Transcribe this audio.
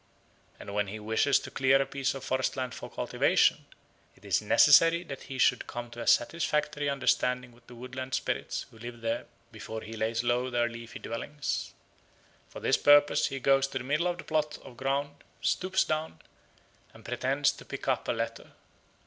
And when he wishes to clear a piece of forest land for cultivation, it is necessary that he should come to a satisfactory understanding with the woodland spirits who live there before he lays low their leafy dwellings. For this purpose he goes to the middle of the plot of ground, stoops down, and pretends to pick up a letter.